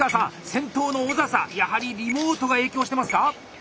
先頭の小佐々やはりリモートが影響してますか？